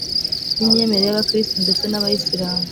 n’imyemerere y’abakristo ndetse n’abayisilamu